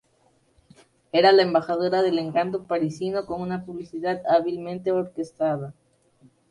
Era la embajadora del encanto parisino, con una publicidad hábilmente orquestada.